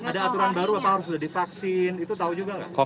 ada aturan baru apa harus sudah divaksin itu tahu juga nggak